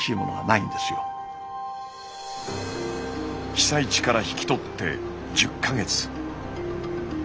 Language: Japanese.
被災地から引き取って１０か月。